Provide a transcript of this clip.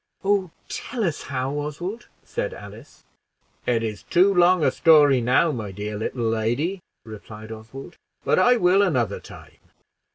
"Oh, tell us how, Oswald," said Alice. "It is too long a story now, my dear little lady," replied Oswald; "but I will another time.